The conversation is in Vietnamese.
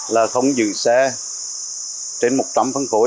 là không giữ xe trên một trăm linh phân khối